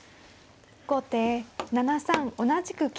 後手７三同じく金。